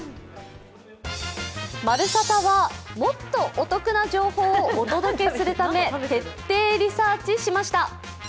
「まるサタ」はもっとお得な情報をお届けするため徹底リサーチしました。